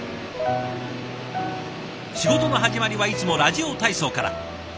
仕事の始まりはいつもラジオ体操から。